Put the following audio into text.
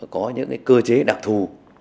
có những cơ chế đặc thù